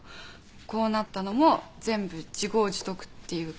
こうなったのも全部自業自得っていうか